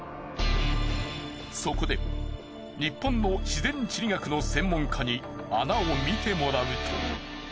そこで日本の自然地理学の専門家に穴を見てもらうと。